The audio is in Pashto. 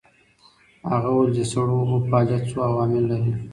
هغه وویل چې د سړو اوبو فعالیت څو عوامل لري.